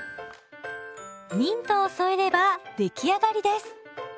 ミントを添えれば出来上がりです！